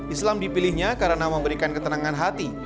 islam dipilihnya karena memberikan ketenangan hati